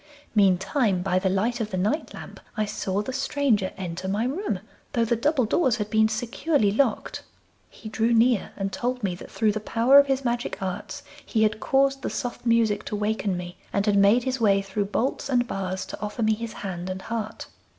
Meantime, by the light of the night lamp, I saw the stranger enter my room, though the double doors had been securely locked. He drew near and told me that through the power of his magic arts he had caused the soft music to waken me, and had made his way through bolts and bars to offer me his hand and heart.